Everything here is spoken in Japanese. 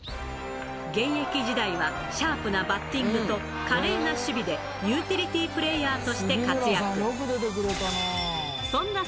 現役時代はシャープなバッティングと華麗な守備で、ユーティリティープレーヤーとして活躍。